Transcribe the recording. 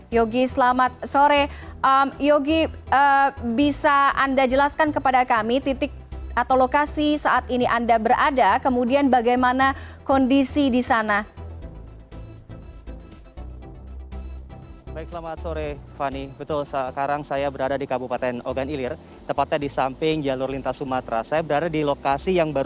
yogi selamat sore yogi bisa anda jelaskan kepada kami titik atau lokasi saat ini anda berada kemudian bagaimana kondisi di sana